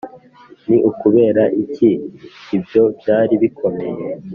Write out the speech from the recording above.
ni ukubera iki ibyo byari bikomeye